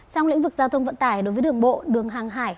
trong lĩnh vực giao thông vận tải đối với đường bộ đường hàng hải